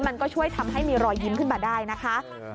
มันก็ช่วยทำให้มีรอยยิ้มขึ้นมาได้นะคะ